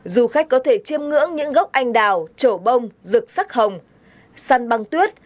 du khách có thể chiêm ngưỡng những gốc anh đào trổ bông rực sắc hồng săn băng tuyết